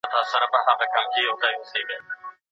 ما نن یو نوی ملګری پیدا کړ.